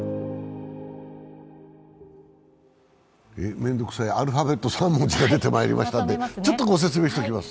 面倒くさい、アルファベット３文字が出てきましたのでここで説明しておきます。